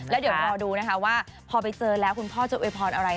แล้วเดี๋ยวรอดูนะคะว่าพอไปเจอแล้วคุณพ่อจะโวยพรอะไร